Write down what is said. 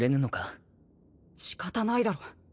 仕方ないだろ。